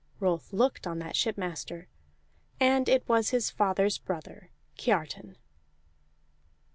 Rolf looked on that shipmaster, and it was his father's brother, Kiartan.